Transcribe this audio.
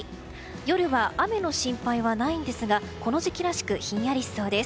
夜は雨の心配はないんですがこの時期らしくひんやりしそうです。